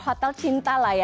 hotel cinta lah ya